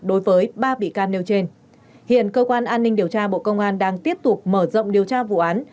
đối với ba bị can nêu trên hiện cơ quan an ninh điều tra bộ công an đang tiếp tục mở rộng điều tra vụ án